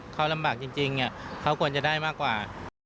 เขาลำบากจริงเขาควรจะได้มากกว่า